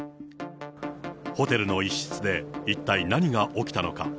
ホテルの一室で一体何が起きたのか。